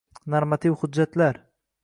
Normativ hujjatlar